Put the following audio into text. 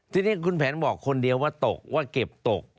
ทีนี้คุณแผนบอกคนเดียวว่าตกว่าเก็บตก